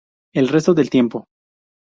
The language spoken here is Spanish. El resto del tiempo.